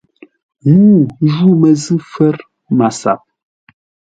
Ŋuu ju məzʉ̂ fə̌r MASAP.